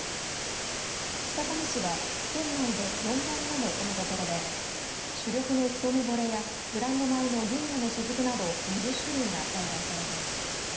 北上市は県内で４番目の米どころで主力のひとめぼれやブランド米の銀河のしずくなど２０種類が栽培されています。